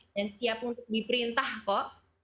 dan siap untuk diperintah kok